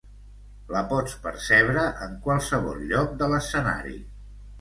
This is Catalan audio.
La pots percebre en qualsevol lloc de l'escenari.